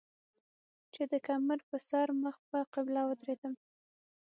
چې د کمر پۀ سر مخ پۀ قبله ودرېدم